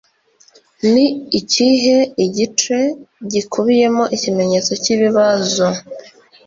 Ni ikihe Igice gikubiyemo ikimenyetso cyibibazo?